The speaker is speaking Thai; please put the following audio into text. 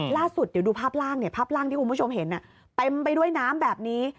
ล่าสุดเดี๋ยวดูภาพล่างเนี่ยภาพล่างที่คุณผู้ชมเห็นเต็มไปด้วยน้ำแบบนี้